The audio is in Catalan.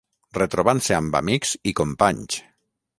Retrobant-se amb amics i companys.